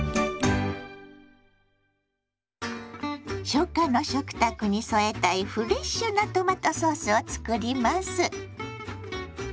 初夏の食卓に添えたいフレッシュなトマトソースを作ります。